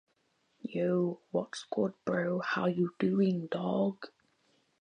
He was diagnosed with pervasive developmental disorder, a form of autism, at age three.